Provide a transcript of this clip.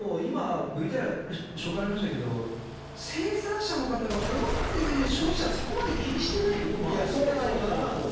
でも今、ＶＴＲ、紹介ありましたけど、生産者の方が思っている以上に消費者はそこまで気にしてないとこいや、そうそうそうそう。